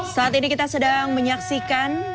saat ini kita sedang menyaksikan